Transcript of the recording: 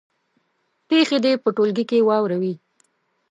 پېښې دې په ټولګي کې واوروي.